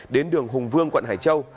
đến đường hùng vương quận hải châu